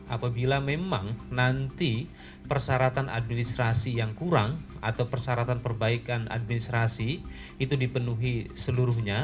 apabila memang nanti persyaratan administrasi yang kurang atau persyaratan perbaikan administrasi itu dipenuhi seluruhnya